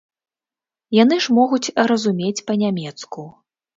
Яны ж могуць разумець па-нямецку.